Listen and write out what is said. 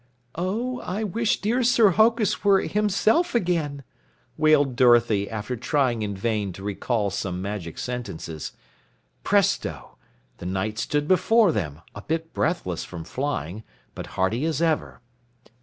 "Oh, I wish dear Sir Hokus were himself again," wailed Dorothy after trying in vain to recall some magic sentences. Presto! The Knight stood before them, a bit breathless from flying, but hearty as ever.